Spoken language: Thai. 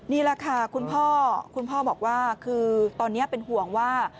นี่แหละค่ะคุณพ่อคุณพ่อบอกว่าคือตอนนี้เป็นห่วงว่า